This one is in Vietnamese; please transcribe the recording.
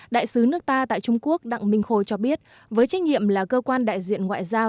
đại sứ nước ta tại trung quốc đặng minh khôi cho biết với trách nhiệm là cơ quan đại diện ngoại giao